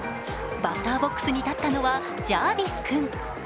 バッターボックスに立ったのはジャービス君。